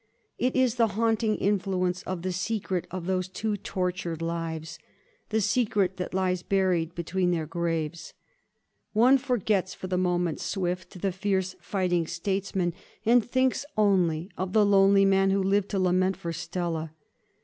It is the haunting in fluence of the secret of those two tortured lives, the secret that lies buried between their graves. One forgets for the moment Swift, the fierce fighting statesman, and thinks only of the lonely man who lived to lament for Stella.